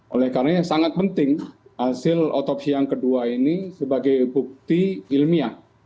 oleh karena sangat penting hasil otopsi yang kedua ini sebagai bukti ilmiah